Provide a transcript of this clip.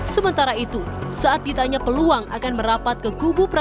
sementara itu saat ditanya peluang akan merapat ke kubu prabowo